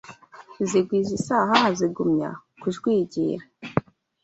Zigwiza isahaha zigumya kujwigira